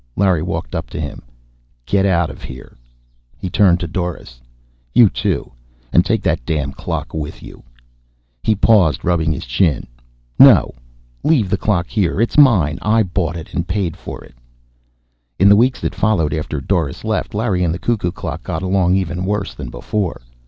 Larry walked up to him. "Get out of here." He turned to Doris. "You too. And take that damn clock with you." He paused, rubbing his chin. "No. Leave the clock here. It's mine; I bought it and paid for it." In the weeks that followed after Doris left, Larry and the cuckoo clock got along even worse than before.